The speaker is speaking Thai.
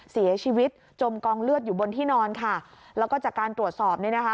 จมกองเลือดอยู่บนที่นอนค่ะแล้วก็จากการตรวจสอบเนี่ยนะคะ